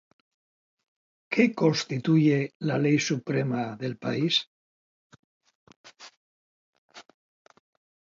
¿Qué constituye la ley suprema del país?